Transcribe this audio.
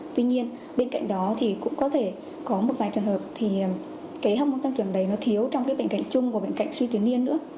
tuy nhiên bên cạnh đó thì cũng có thể có một vài trường hợp thì cái hốc môn tăng trưởng đấy nó thiếu trong cái bệnh cạnh chung và bệnh cạnh suy tuy miên nữa